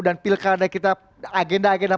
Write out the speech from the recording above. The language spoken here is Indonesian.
dan pilkada kita agenda agenda